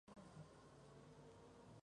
Ya que es un "pack de accesorios".